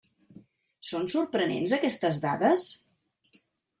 Són sorprenents aquestes dades?